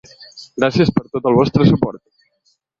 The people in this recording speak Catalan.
Gràcies per tot el vostre suport.